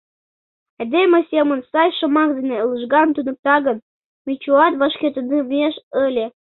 Айдеме семын сай шомак дене лыжган туныкта гын, Мичуат вашке тунемеш ыле.